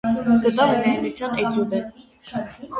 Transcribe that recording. Կտավը միայնության էտյուդ է։